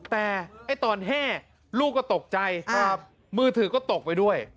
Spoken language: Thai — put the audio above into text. แต่ตอนแห้ลูกก็ตกใจมือถือก็ตกไปด้วย